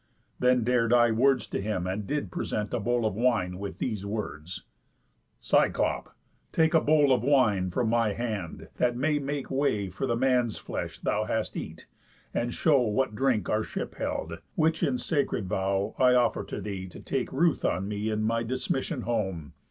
Then dar'd I words to him, and did present A bowl of wine, with these words: 'Cyclop! take A bowl of wine, from my hand, that may make Way for the man's flesh thou hast eat, and show What drink our ship held; which in sacred vow I offer to thee to take ruth on me In my dismission home.